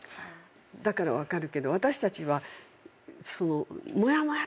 だから分かるけど私たちはそのモヤモヤとしたもの。